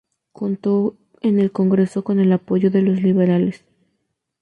Contó en el Congreso con el apoyo de los liberales.